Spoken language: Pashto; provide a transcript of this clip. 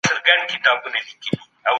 هغه د پاچا دندو ته اشاره کوي.